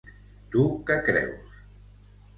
Tu què creus?